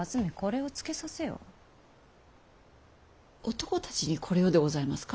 男たちにこれをでございますか？